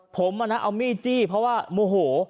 ผมอะนะเอามิจิเพราะว่าโมโห